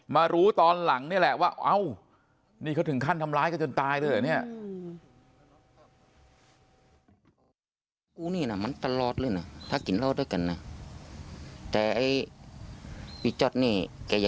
มารู้รถร้อนหลังนะว่านี่เขาถึงขั้นทำร้ายกันจนตายเลยเหรอเนี่ย